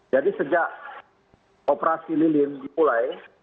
jadi sejak operasi lilin dimulai